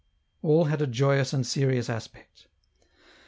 All had a joyous and serious aspect.